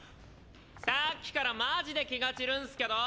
さっきからマジで気が散るんスけど。